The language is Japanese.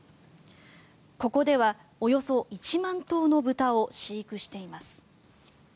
ここではおよそ１万頭の豚を飼育しています。